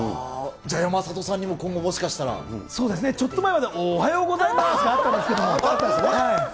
じゃあ、山里さんにも今後もそうですね、ちょっと前まではおーはようございますがあったんですけど。